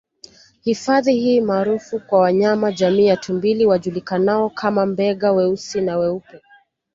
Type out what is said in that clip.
Hifadhi hii maarufu kwa wanyama jamii ya tumbili wajulikanao kama Mbega weusi na weupe